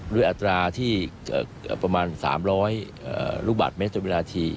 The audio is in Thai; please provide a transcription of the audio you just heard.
ด้วยอัตราที่ประมาณ๓๐๐ลูกบัตรเม็ดที